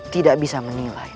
tidak bisa menilai